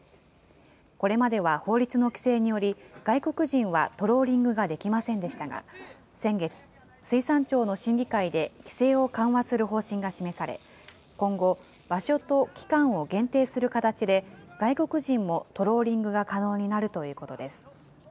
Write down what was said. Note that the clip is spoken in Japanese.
これまでは法律の規制により、外国人はトローリングができませんでしたが、先月、水産庁の審議会で規制を緩和する方針が示され、今後、場所と期間を限定する形で、外国人もトローリングが可能になるということです。